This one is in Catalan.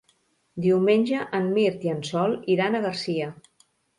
Diumenge en Mirt i en Sol iran a Garcia.